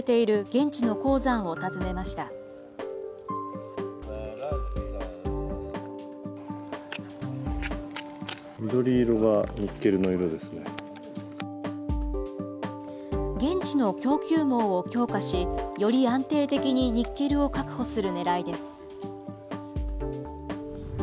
現地の供給網を強化し、より安定的にニッケルを確保するねらいです。